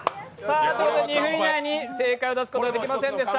２分以内に正解を出すことができませんでした